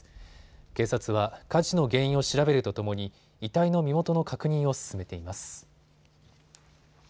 警察は火事の原因を調べるとともに遺体の身元の確認を進めています。